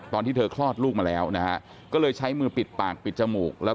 ตอนที่เธอคลอดลูกมาแล้วนะฮะก็เลยใช้มือปิดปากปิดจมูกแล้ว